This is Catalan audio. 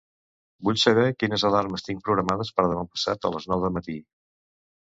Vull saber quines alarmes tinc programades per demà passat a les nou de matí.